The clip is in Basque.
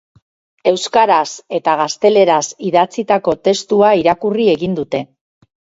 Euskaraz eta gazteleraz idatzitako testua irakurri egin dute.